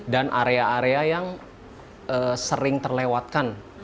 dan area area yang sering terlewatkan